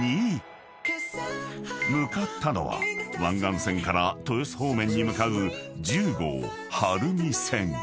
［向かったのは湾岸線から豊洲方面に向かう１０号晴海線］